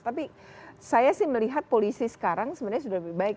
tapi saya sih melihat polisi sekarang sebenarnya sudah lebih baik